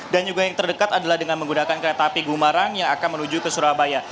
dan juga yang terdekat adalah dengan menggunakan kereta api gumarang yang akan menuju ke surabaya